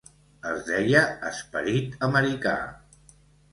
Es deia "Esperit americà".